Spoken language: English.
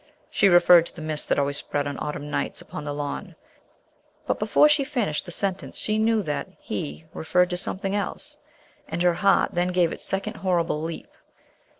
She referred to the mist that always spread on autumn nights upon the lawn, but before she finished the sentence she knew that he referred to something else. And her heart then gave its second horrible leap.